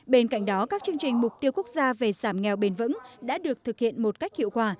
bên cạnh đó các chương trình mục tiêu quốc gia về giảm nghèo bền vững đã được thực hiện một cách hiệu quả